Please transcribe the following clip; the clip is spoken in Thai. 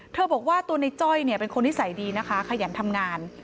บอกว่าตัวในจ้อยเป็นคนนิสัยดีนะคะขยันทำงาน